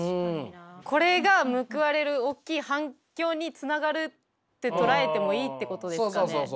これが報われるおっきい反響につながるって捉えてもいいってことですかね。